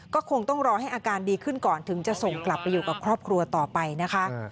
ก็คงต้องรอให้อาการดีขึ้นก่อนถึงจะส่งกลับไปอยู่กับครอบครัวต่อไปนะคะ